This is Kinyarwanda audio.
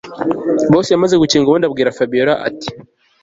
Boss yamaze gukinga ubundi abwira Fabiora ati